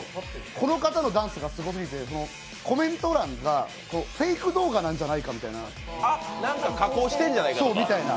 この方のダンスがすごすぎて、コメント欄がフェイク動画なんじゃないかとか加工してるんじゃないかみたいな？